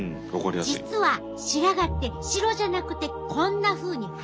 実は白髪って白じゃなくてこんなふうに半透明やねん。